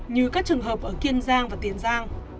như các trường hợp ở kiên giang và tiền giang